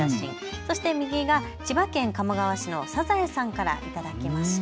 そして右が千葉県鴨川市のサザエさんから頂きました。